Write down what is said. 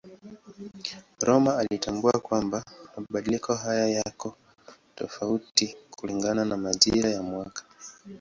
Rømer alitambua kwamba mabadiliko haya yako tofauti kulingana na majira ya mwaka.